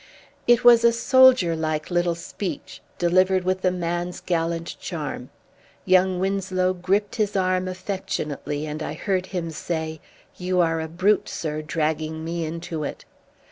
It was a soldierlike little speech, delivered with the man's gallant charm. Young Winslow gripped his arm affectionately and I heard him say "You are a brute, sir, dragging me into it."